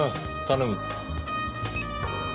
頼む。